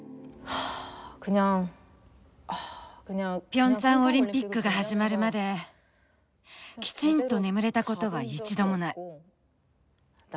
ピョンチャンオリンピックが始まるまできちんと眠れたことは一度もない。